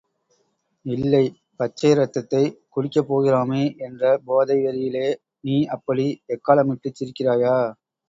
இல்லை, பச்சை ரத்தத்தைக் குடிக்கப் போகிறோமே என்ற போதை வெறியிலே நீ அப்படி எக்காளமிட்டுச் சிரிக்கிறாயா?